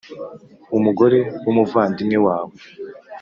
umugore w umuvandimwe wawe